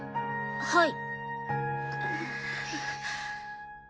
はい。